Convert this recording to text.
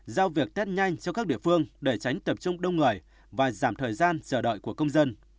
giao việc test nhanh cho các địa phương để tránh tập trung đông người và giảm thời gian chờ đợi của công dân